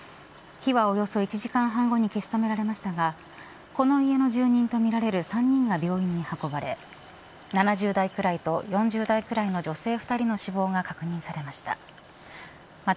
火は、およそ１時間半後に消し止められましたがこの家の住人とみられる３人が病院に運ばれ７０代くらいと４０代くらいの女性２人の死亡が確認されました。